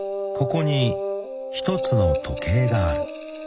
［ここに一つの時計がある］